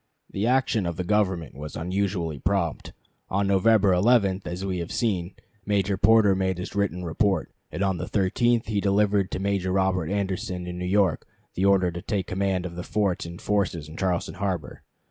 The action of the Government was unusually prompt. On November 11, as we have seen, Major Porter made his written report, and on the 13th he delivered to Major Robert Anderson in New York the order to take command of the forts and forces in Charleston harbor.